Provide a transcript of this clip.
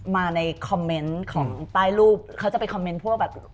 มาในคอมเมนต์ของใต้รูปเขาจะไปคอมเมนต์พวกแบบ